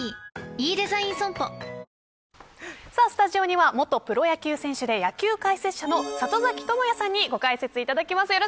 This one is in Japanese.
スタジオには元プロ野球選手で野球解説者の里崎智也さんにご解説いただきます。